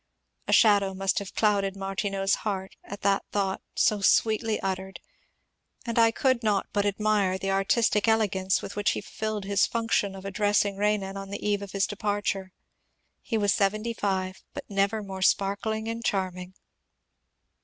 A shadow must have clouded Martineau^s heart at that thought so sweetly uttered, and I could not but admire the artistic ele gance with which he fulfilled his function of addressing Renan on the eve of his departure. He was seventy five, but never more sparkling and charming.